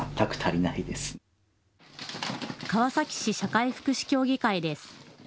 川崎市社会福祉協議会です。